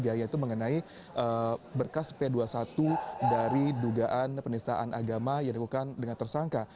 yaitu mengenai berkas p dua puluh satu dari dugaan penistaan agama yang dilakukan dengan tersangka